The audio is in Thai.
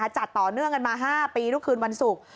จัดต่อเนื่องกันมา๕ปีทุกคืนวันศุกร์